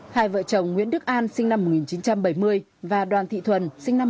hai vợ chồng nguyễn đức an sinh năm một nghìn chín trăm bảy mươi và đoàn thị thuần sinh năm một nghìn chín trăm tám